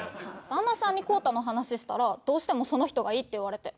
旦那さんにコウタの話したらどうしてもその人がいいって言われて。